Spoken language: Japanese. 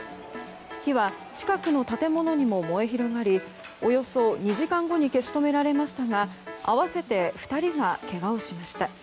火は近くの建物にも燃え広がりおよそ２時間後に消し止められましたが合わせて２人がけがをしました。